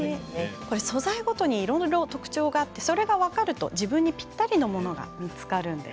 素材ごとに、いろいろな特徴があって、それが分かると自分にぴったりのふきんが見つかるんです。